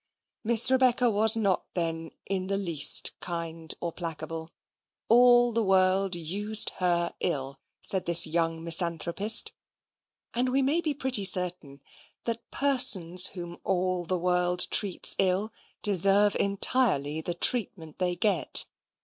Miss Rebecca was not, then, in the least kind or placable. All the world used her ill, said this young misanthropist, and we may be pretty certain that persons whom all the world treats ill, deserve entirely the treatment they get.